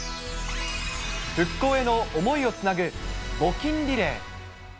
復興への想いをつなぐ、募金リレー。